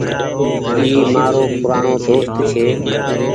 اي مآرو پورآڻو دوست ڇي ۔